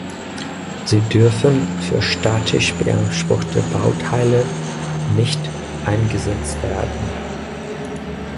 Sie dürfen für statisch beanspruchte Bauteile nicht eingesetzt werden.